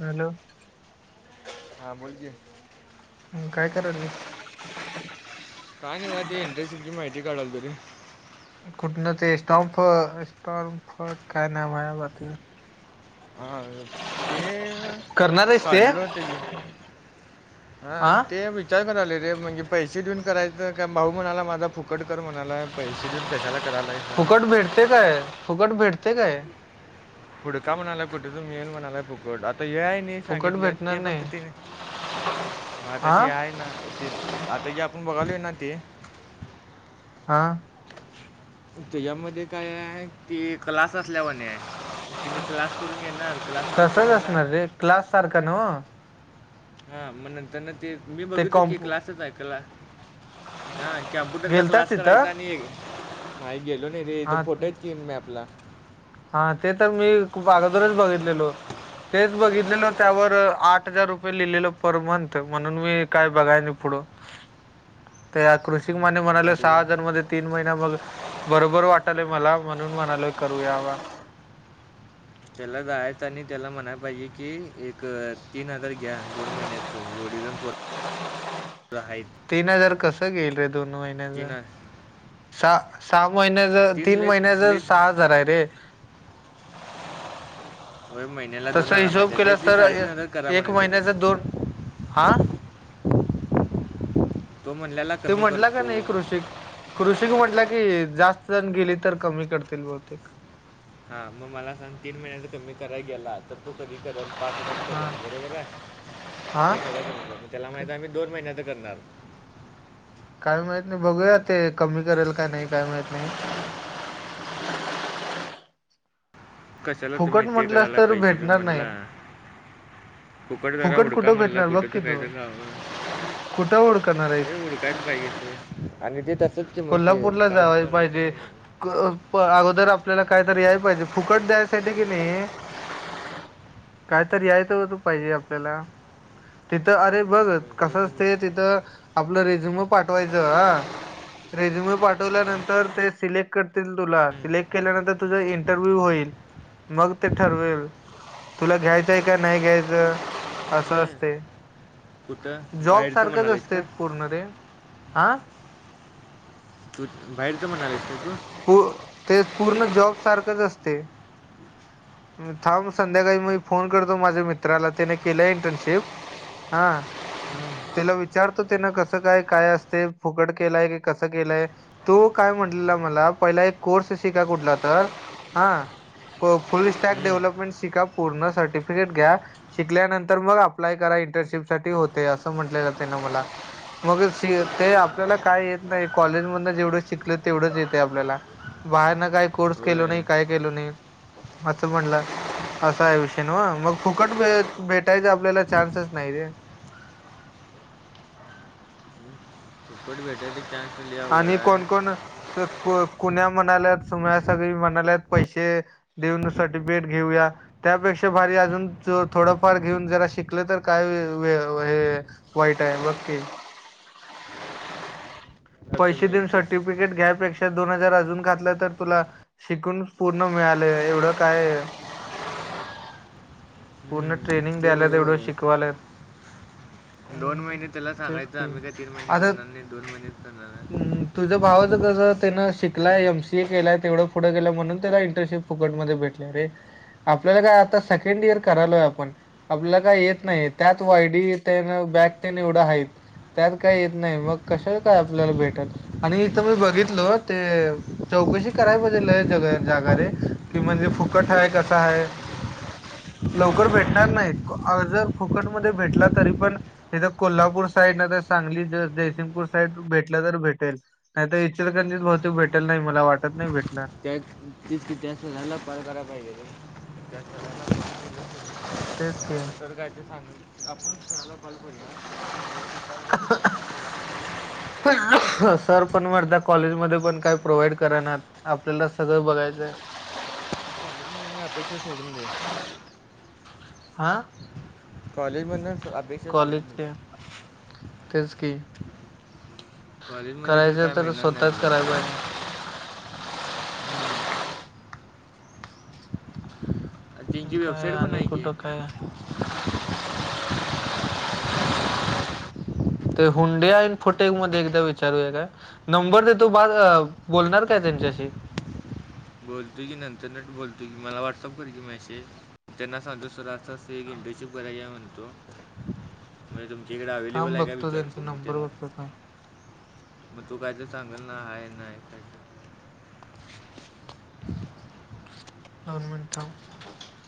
Hello हा बोलजि काय कराल काय नाही आ ते इंटरेस्टिंगची माहिती काढाल तरी कुठन ते स्टॉम्फ स्टॉमफट काय नाही माझ हा ते करणार आहेस ते काढल होत की हा ते विचार क आले े म्हणजे पैसे देऊन करायचं का भाऊ म्हणाला माझा फुकट कर म्हणाला पैसे देऊन कशाला करायला सा फुकट भेटते काय फुकट भेटते काय फुडका म्हणाय कुठे तु मील म्हणाय फुक हेय नाही फुकट सांगितले भेटणार ते फक्त नाही तने मग आता हा ती आहे ना ते आता की आपण बघालो आहे ना ते हा त्याच्यामध्ये काय आहे कि क्लास असल्यावरने आहे तिने क्ला करून घेणार क्लासमध्ये तसच शिकवणार असणार रे क्लास सारखा नाव हा मग नंत ना ते मी ते बघितल की कॉम्प क्लासच आहे कला हा कॅम्प्युटरचा गेलतास क्लास तिथं करायचा आणि [inaudible] नाही गेलो नाही रे इथं हा फोटो [inaudible] मॅपला हा ते तर मी खूप अगोदरच बघितलेलो. तेच बघितलेलं त्यावर, आठ हजार रुपये लिहिलेल पर मंथ म्हणून मी काय बघाय नाही पुढ कृषीक माने मग म्हणाले ते सहा हजार मध्ये तीन महिना मग बरोबर वाटालय मला म्हणून म्हणालोय करूया वा त्याला जायच आणि त्याला म्हणाय पाहिजे कि एक तीन हजार घ्या दोन महिन्याचं हि [inaudible] तीन हजार कसं घेईल रे दोन महिन्याचं? अ, सहा सहा महिन्याचं तीन लयच महिन्याचं लयच सहा हजार आहे रे. होय महिन्याला तसं हिशोब माहिती आहे. लयत केलास लय तर ए करा एक म्हणायचं रे. महिन्याचा दोन हा तो म्हणलेला ते कमी म्हटलं का करतो. नाही कृषिक, कृषिक म्हटला की, जास्त जण गेली तर कमी करतील बहुतेक, हा मग मला सांग तीन महिन्याचा कमी करायला गेला, तर तू कधी करेल, पाच हजार हा करल बरोबर हा आहे? एक हजार [inaudible] त्याला माहित हाय मी दोन महिन्याच करणार. काय माहित नाही बघूया ते कमी करेल का नाही काय माहित नाही. [inaudible] कशाला फुकट तुम्ही ते म्हटलंस करायला तर पैसे देऊन भेटणार म्हणला, नाही फुकट जरा हुडका कुठं म्हणलं भेटणार बघ कुठे की त काय तू तर घाव कुठं हुडकणार आहेस हे हुडकायचं पाहिजे सोड आणि ते तसंच ते म्हणते कोल्हापूरला काम जावय करायचं पाहिजे नाही होय, क अ अगोदर आपल्याला कायतरी याय पाहिजे फुकट द्यायसाठी की नाही, कायतरी याय तर पाहिजे आपल्याला तिथं अरे बघ ते कसं तर असतंय विषय. तिथं आपलं रेझ्युम पाठवायचं ह रेझ्युम्य पाठवल्यानंतर ते सिलेक्ट करतील तुला, सिलेक्ट केल्यानंतर तुझं इंटरव्ह्यू होईल. मग ते ठरवेल, तुला घ्यायचंय का नाही घ्यायचं? असं असते नाही कुठं जॉब बाहेरचं सारखच म्हणालीस असते का पूर्ण रे. आ? तू बाहेरचं म्हणालयस काय तू? ते पूर्ण जॉब सारखंच असते. थांब संध्याकाळी मी फोन करतो माझ्या मित्राला त्याने केला इंटर्नशिप हा, हम्म, तेला विचारतो त्यान कसं काय काय असते फुकट केलाय की कसं केलंय, तो काय म्हटलेला मला पहिला एक कोर्स शिका कुठला तर, हा हो फुल स्टॅक हम्म. डेव्हलपमेंट शिका पूर्ण सर्टिफिकेट घ्या, शिकल्यानंतर मग अप्लाय कराय इंटर्नशिपसाठी होतंय असं म्हटलेला त्यानं मला मग ते आपल्याला काय नाही कॉलेज मधनं जेवढं शिकलं तेवढंच येते आपल्याला बाहेरनं काही कोर्स केलो होय नाही काय केलो नाही. आस म्हणला. असाय विषय नवं मग फुकटे भे भेटायचं आपल्याला चान्सच नाही रे. [inaudible] फुकट भेटायचं चान्स लय आवड आणि आहे कोण कोण कुण्या म्हणाल्यात सगळी म्हणाल्यात पैसे, देऊन सर्टिफिकेट घेऊया त्यापेक्षा भारी अजून थोडंफार घेऊन जरा शिकल तर काय वे हे वाईट आहे बघकी [inaudible] आता पैसे देऊन मिळते सर्टिफिकेट घ्यापेक्ष त्यात दोन हजार अजून घातलं तर तुला शिकून पूर्ण मिळालं एवढं काय [inaudible] पूर्ण हम्म, ट्रेनिंग ते द्यायला बरोबर एवढं आहे शिकवालयत [inaudible] दोन महिने त्याला तेच सांगायचं की आम्ही काय तीन महिने आता करणार नाही दोन महिनेच करणार हाय. आता तेन शिक मी केलाय एमसीए केलाय तेवढ पुढ गेल म्हणून त्याला इंटशिप फुटक मध्ये भेटल्या रे आपल्याला काय आता सेकंडीइयर करालोय आपण आपल्याला काय येत नाही त्यात वायडी येन बॅग तेन एवढं आहेत त्यात काय येत नाही मग कशाच काय आपल्याला भेटल आणि इथं मी बघितलो ते चौकशी करायला पाहिजे लय जेग-जागारे की म्हणजे फुकट आहे कसा आहे? [inaudible] लवकर भेटणार नाहीत जर फुकटमध्ये भेटला तरी पण इथं कोल्हापूर साईड तर सांगली जर -जयसिंगपूर साईड भेटलं तर भेटेल नाही तर इचलकंरजीत बहूतेक भेटेल नाही मला वाटत नाही भेट त्याच तिचं कि त्या सराला पार कराय पाहिजे ते त्या सराला तेच की [inaudible] [inaudible] सर काय ते सांगल आपण सराला काॅल करूया [inaudible] आणि [inaudible] सर तर पण मर्दा कॉलेज मध्ये पण काय प्रोवइड करनात आपल्याला सगळं बघायचंय [inaudible] काॅलेज मदन अपेक्षा सोडून दे [inaudible] हा.... कॉलेजमधन अपेक्षा सुडून दे [inaudible] तेचकी कॉलेजमध्ये करायचं काय तर मिळणार नाही स्वतःच करायचं आपल्याला आहे [inaudible] हम्म... आणि त्यांची काय वेबसाईट पण आणि आहे की कुठं काय? [inaudible] ते हुंड्या इन फोटेज मध्ये एकदा विचारूया काय नंबर देतो बा- बोलणार काय त्या त्यांच्याशी [inaudible] बोलतोय की नंतर न बोलतोय की मला व्हॉट्सअप कर की मेसेज त्यांना सांगो [unintelligible] सर तसं एक इंटर्शिप करायला या म्हणतो म्हणजे तुम तिकडे अवेलेबल थांब आहे का बघतो त्यांचा विचारतो मग नंबर त्यांना बघतो थांब [inaudible] मग तू कायच सांगल ना आहे नाही कायच? [inaudible] [inaudible] दोन मिनट थांब [inaudible]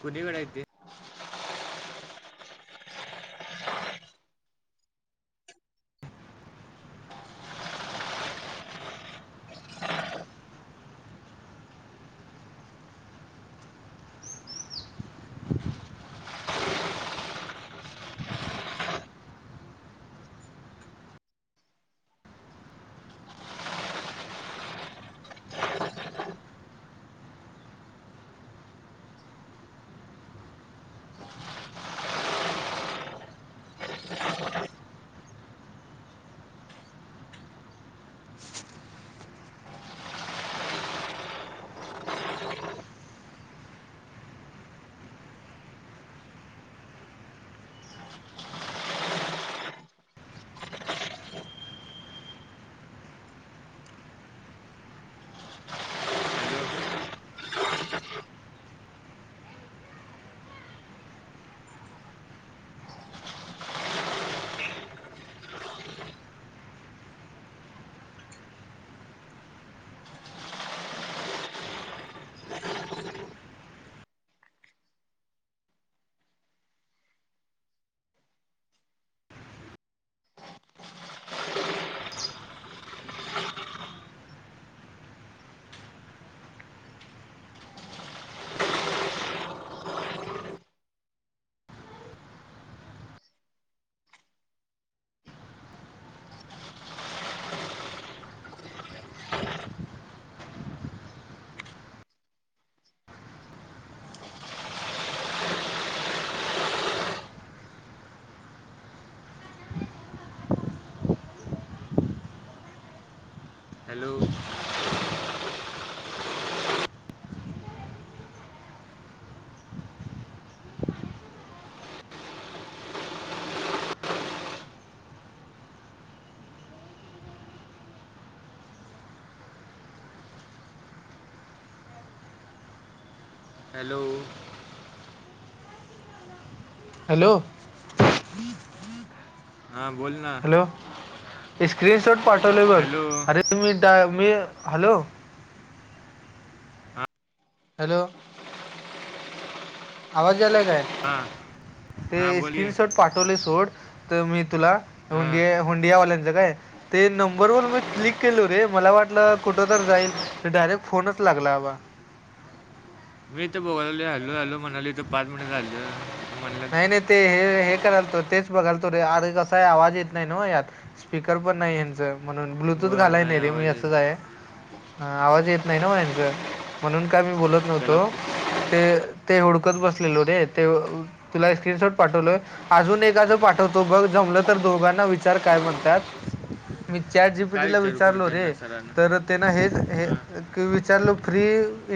कूणीकड आहेत ते [inaudible] [inaudible] हॅलो हॅलो [inaudible] हॅलो [inaudible] हॅलो हां बोल ना हॅलो स्क्रीनशॉट पाठवलय बघ, हॅलो अरे मी- मी हॅलो हॅलो [inaudible] आवाज आवाज यायलाय काय हां [inaudible] ते हां बोल की स्क्रिनशॉट पाठवलय सोड त- मी तुला हां हुंडि -हुडयावांल्याच हूत काय, ते नंबरवर मी [inaudible] हां क्लिक केलो रे मला वाटल ते कुठं तर जाईल, मी डायरेक्ट फोन‌च लाव लागला आ बा मी इथं बोलालोय [inaudible] हॅलो हॅलो म्हणालोय इथ पाच मिनिट झाल इथ म्हणलं करायलतो तेच बघालतो रे आणि अरे कसा आवाज येत नाही ना यात स्पीकर पण नाही हेंच म्हणून ब्लुतूथ व घालाय नाही रे मी आवाज असच येत आहे [inaudible] आवाज येत न्हव यांच म्हणून काय मी बोलोत त्याला न्हवतो कु- ते हूडकत बस ठेवलो रे तुला- एक स्क्रिनशॉट पाठवलोय अजून एखाद पाठवतो बघ जमलं तर दोघांनी [inaudible] विचार काय म्हणत्यात [inaudible] मी चॅट काय जीपीटीला विचारू खरं विचारलो त्यांना रे सरांना तर त्यांना हां हेच- विचारल फ्री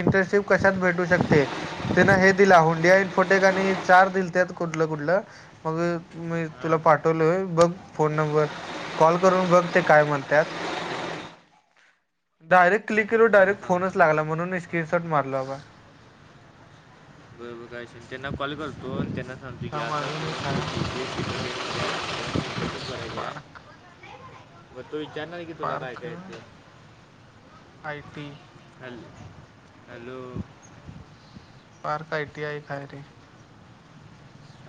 इंटर्नशिप कशात भेटू शकते तेना हे दिलं हो हां इंडियाईन फोटे ग आणि चार दिलत आहेत कुठलं कुठलं मग मी तुला हां पाठवलो आहे बघ फोन नंबर कॉल करून बघते काय म्हणतत [inaudible] डायरेक्ट क्लिक केल पाणी डायरेक्ट फोनच सांगतो लागला म्हणून स्क्रीनशॉट मारल बाबा बरोबर काय त्यांना कॉल करतो त्यांना सांत की थांब असं असं अजून एक म्हणतो हाय बीसी सेकंड इयर मध्ये म्हणतो इंटर्नशिप करायची आहे पार्क ह तो विचारणार की तुला काय पार्क काय य ते आय टी अल् अलु फार कायटी आहे खय रे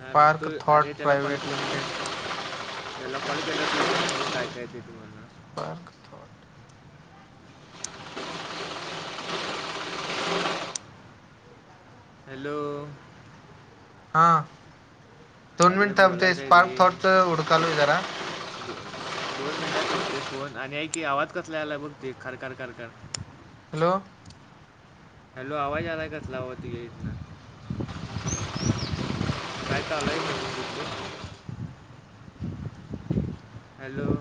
हां तू थॉट अरे त्याला कॉल प्रायवेट लिमिटेड त्याला कॉल केला तू विचार नाही कि काय काय ते तुम्हाला पार्क थॉट [inaudible] हॅलो हा दोन अरे मिनिटब बोलायचं आहे स्पार्क रे थॉट उडकालोय जरा दोन मिनिटात संोपते फोन आणि एक की आवाज कसला आला बघ ते खरखर खरख ह हॅलो आवाज आलाय कचलावत घ इथन काय चालू हाय मशीन कुठली. हॅलो!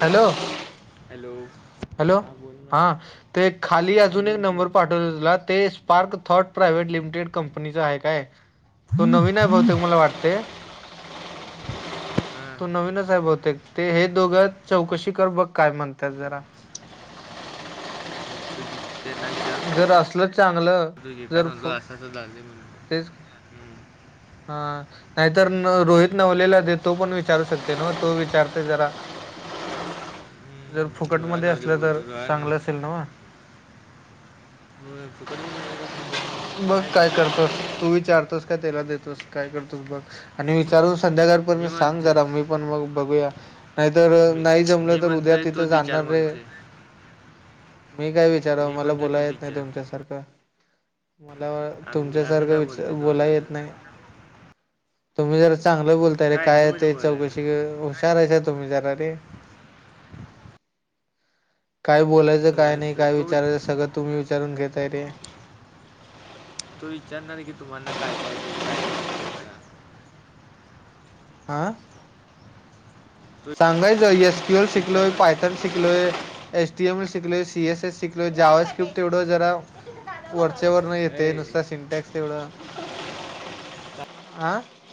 हॅलो! हॅलो! हॅलो हां बोल ना हा ते खाली हां अजून एक बोल की नंबर पाठवला तुला ते पार्क थॉट प्रायव्हेट लिमिटेड कंपनीचा आहे. काय तो नवीन आहे बहुतेक मला हां वाटते. [unintelligible] हां तू नवीनच साहेब होते ते हे दोघं चौकशी कर बघ काय म्हणतात जरा. बघतो की. जर असल. तु कारण तो असताच झा म्हण हम् अ नाहीतर रोहित नवलेला ते तो पण विचारू शकते ना तो विचारते जरा. [unintelligible] जर हम्म, फुकट रोया मध्ये नवले असलं तर बोलतो रोया न चांगलं असेल ना वा. हो फुकट मिळत असेल तर.. बघ काय करतोस तू विचारतोस काय त्याला देतोस काय करतोस बघ आणि विचारून. संध्याकाळपर्यंत मी सांग म्हणते जरा मी पण मग बघूया. नाहीतर मी नाही जमलं मी तर उद्या म्हणतोय तू तिथे विचार जाणार रे. म्हणते मी काय विचारावं मी मला म्हणतोय तू बोला येत नाही विचार तुमच्यासारखं. मला आम्ही आम्ही तुमच्यासारखं काय विचार बोलते तो बोला येत वेगळं नाही तुम्ही जर. चांगलं बोलताये काय हिंदीमध्ये ते चौकशी बोलायचं हुशाराच तुम्ही जरा. ते काय बोलायचं बोलला काय नाही काय असं तो विच- विचारायचं सगळं तुम्ही विचारून घेताय रे. तू विचारणार की तुम्हाना काय काय ते काय काय शिकलयंसा. हा तो सांगायचं येस. कूएल विचारणार काय शिकलोयथन शिकलाय शिकलोय एस डी एम एल शिकलय सी एस एस शिकलो राहायला ज्याव्हा पाहिजे स्क्रिप्ट एवढं जरा. ते तुझा दादा बघायला वरचे वर नाही लागेल. येते ए नुसता सिंटॅक्स एवढ. तर आह